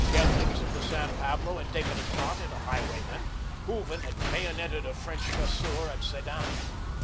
Gethings of the San Pablo had taken a shot at a highwayman. Hooven had bayonetted a French Chasseur at Sedan.